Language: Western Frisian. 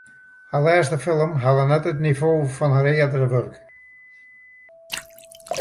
Har lêste film helle net it nivo fan har eardere wurk.